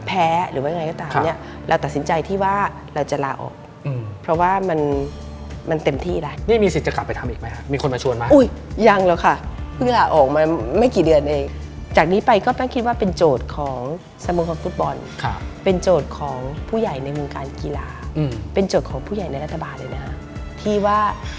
หรือว่ายังไงก็ตามเนี่ยเราตัดสินใจที่ว่าเราจะลาออกเพราะว่ามันมันเต็มที่แล้วนี่มีสิทธิ์จะกลับไปทำอีกไหมครับมีคนมาชวนไหมอุ้ยยังหรอกค่ะเพื่อออกมาไม่กี่เดือนเองจากนี้ไปก็ต้องคิดว่าเป็นโจทย์ของสมคมฟุตบอลครับเป็นโจทย์ของผู้ใหญ่ในวงการกีฬาเป็นโจทย์ของผู้ใหญ่ในรัฐบาลเลยนะฮะที่ว่า